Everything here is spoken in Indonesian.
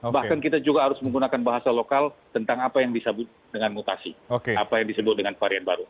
bahkan kita juga harus menggunakan bahasa lokal tentang apa yang disebut dengan mutasi apa yang disebut dengan varian baru